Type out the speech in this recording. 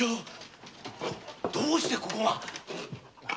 どうしてここが？